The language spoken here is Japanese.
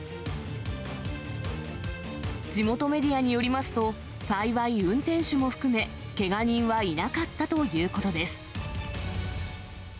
地元メディアによりますと、幸い運転手も含め、けが人はいなかったということです。